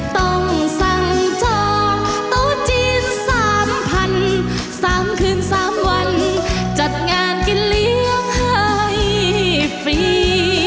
ต้องสั่งจองโต๊ะจีนสามพันสามคืนสามวันจัดงานกินเลี้ยงให้ฟรี